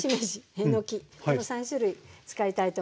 えのきこの３種類使いたいと思います。